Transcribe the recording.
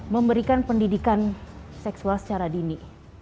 memberikan pendidikan seksual secara dini